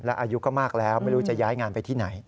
อายุก็มากแล้วไม่รู้จะย้ายงานไปที่ไหน